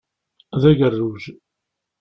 D agerruj.